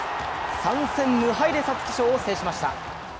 ３戦無敗で皐月賞を制しました。